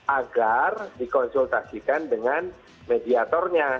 agar dikonsultasikan dengan mediatornya